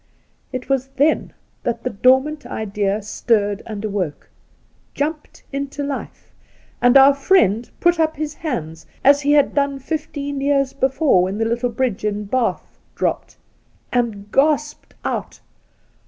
It Was then that the dormant idea stirred and awoke — jumped into life — and our friend put up his hands as he had done fifteen years befote, when the little bridgte in Bath dropped, ' and gasped out